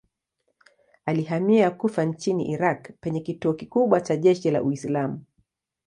Alihamia Kufa nchini Irak penye kituo kikubwa cha jeshi la Uislamu.